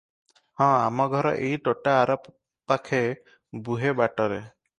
“ହଁ ଆମଘର ଏଇ ତୋଟା ଆରପାଖେ ବୁହେ ବାଟରେ' ।